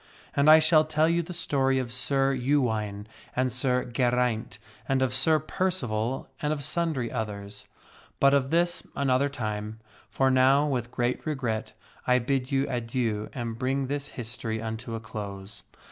And I shall tell you the story of Sir Ewaine and Sir Geraint, and of Sir Percival and of sundry others. But of this another time. For now, with great regret I bid you adieu and bring this history unto a close.